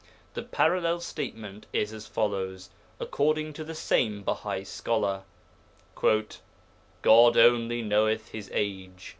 The parallel statement is as follows, according to the same Bahai scholar. 'God only knoweth his age.